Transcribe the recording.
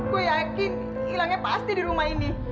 aku yakin hilangnya pasti di rumah ini